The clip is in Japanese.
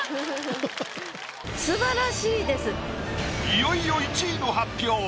いよいよ１位の発表